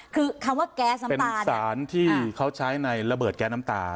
คือคำว่าแก๊สมันเป็นสารที่เขาใช้ในระเบิดแก๊สน้ำตา